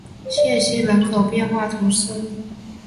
谢西人口变化图示